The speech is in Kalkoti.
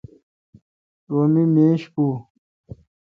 رو می میش پو۔